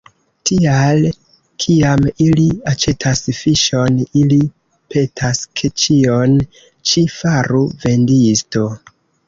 Tial, kiam ili aĉetas fiŝon, ili petas, ke ĉion ĉi faru vendisto.